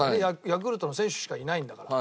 ヤクルトの選手しかいないんだから。